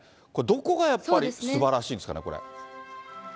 これ、どこがやっぱりすばらしいんですかね、これ。